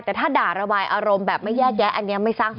แต่ถ้าด่าระบายอารมณ์แบบไม่แยกแยะอันนี้ไม่สร้าง